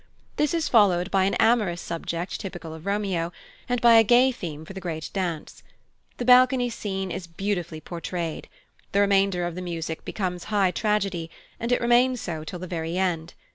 This is followed by an amorous subject typical of Romeo, and by a gay theme for the great dance. The Balcony scene is beautifully portrayed. The remainder of the music becomes high tragedy, and it remains so till the very end.